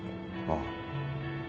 ああ。